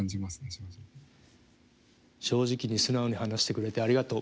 正直に素直に話してくれてありがとう。